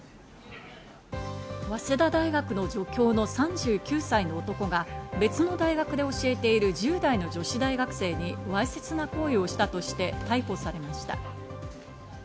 早稲田大学の助教の３９歳の男が別の大学で教えている１０代の女子大学生にわいせつな行為をしたとして逮捕されました。